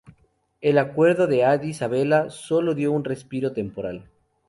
El acuerdo de Adís Abeba solo dio un respiro temporal.